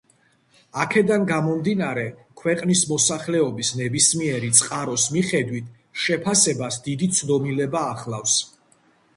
აქედან გამომდინარე, ქვეყნის მოსახლეობის ნებისმიერი წყაროს მიხედვით შეფასებას დიდი ცდომილება ახლავს.